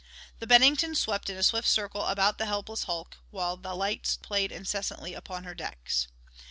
The Bennington swept in a swift circle about the helpless hulk while the lights played incessantly upon her decks.